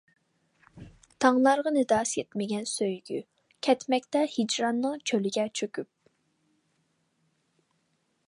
تاڭلارغا نىداسى يەتمىگەن سۆيگۈ، كەتمەكتە ھىجراننىڭ چۆلىگە چۆكۈپ.